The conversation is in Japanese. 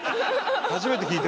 初めて聞いた。